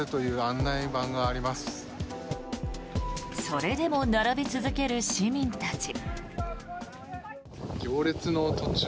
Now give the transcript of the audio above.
それでも並び続ける市民たち。